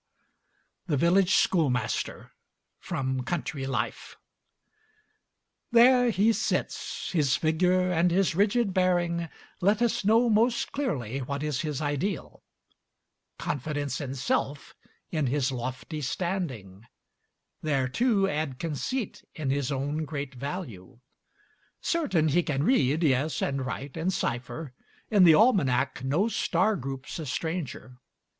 THE VILLAGE SCHOOLMASTER From "Country Life" There he sits; his figure and his rigid bearing Let us know most clearly what is his ideal: Confidence in self, in his lofty standing; Thereto add conceit in his own great value. Certain, he can read yes, and write and cipher; In the almanac no star group's a stranger.